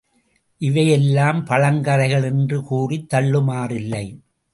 இவையெல்லாம் பழங்கதைகள் என்று கூறித் தள்ளுமாறில்லை.